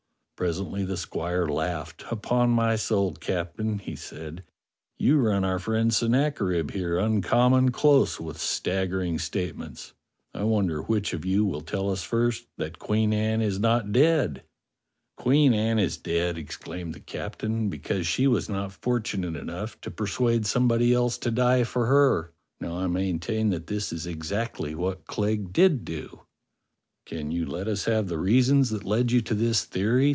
Presently the squire laughed. " Upon my soul, Captain," he said, "you run our friend Sen nacherib here uncommon close with staggering state ments. I wonder which of you will tell us first that Queen Anne is not dead." CLEGG THE BUCCANEER 49 "Queen Anne is dead,'* exclaimed the captain, *' be cause she was not fortunate enough to persuade some body else to die for her. Now I maintain that this is exactly what Clegg did do." "Can you let us have the reasons that led you to this theory?"